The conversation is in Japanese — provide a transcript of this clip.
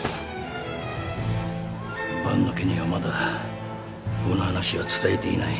万野家にはまだこの話は伝えていない。